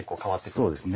そうですね。